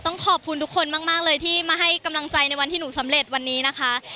ต้องขอบคุณทุกคนมากเลยที่มาให้กำลังใจในวันที่หนูสำเร็จวันนี้นะคะ